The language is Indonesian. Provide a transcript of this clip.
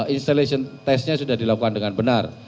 installation testnya sudah dilakukan dengan benar